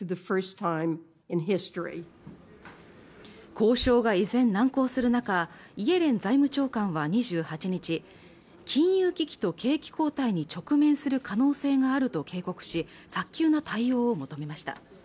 交渉が依然難航するなかイエレン財務長官は２８日金融危機と景気後退に直面する可能性があると警告し早急な対応を求めました